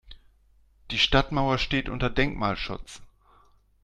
Die Stadtmauer steht unter Denkmalschutz.